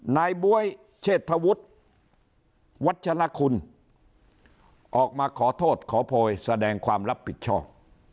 บ๊วยเชษฐวุฒิวัชลคุณออกมาขอโทษขอโพยแสดงความรับผิดชอบ